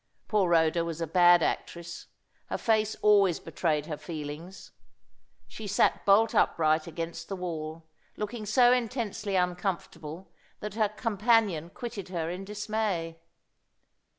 Poor Rhoda was a bad actress. Her face always betrayed her feelings. She sat bolt upright against the wall, looking so intensely uncomfortable that her companion quitted her in dismay.